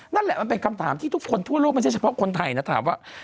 นั่นแหละมันเป็นคำถามที่ทุกคนทั่วโลกไม่ใช่เฉพาะคนไทยนะถามว่า